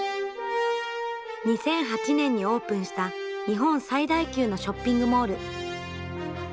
２００８年にオープンした日本最大級のショッピングモール。